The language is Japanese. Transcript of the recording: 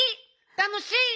たのしい！